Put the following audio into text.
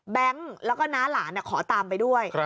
แล้วก็น้าหลานขอตามไปด้วย